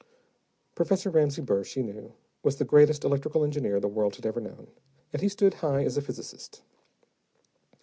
Professor Ramsey Burr, she knew, was the greatest electrical engineer the world had ever known. And he stood high as a physicist.